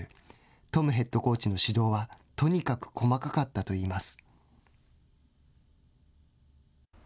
トムヘッドコーチの指導はとにかく細かかったといいます。